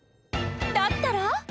だったら？